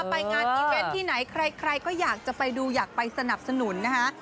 ไปงานอีเวนต์ที่ไหนใครก็อยากจะไปดูอยากไปสนับสนุนนะคะ